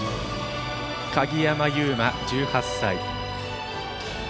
鍵山優真、１８歳。